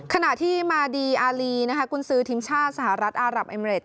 ขณะที่มาดีอารีกุญซือทีมชาติสหรัฐอารับเอเมริด